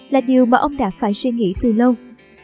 đối với chính sách